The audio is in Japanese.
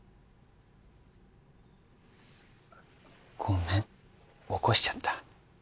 ごめん起こしちゃった？